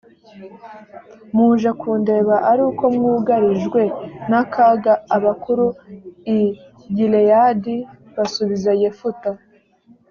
muje kundeba ari uko mwugarijwe n akaga abakuru i gileyadi basubiza yefuta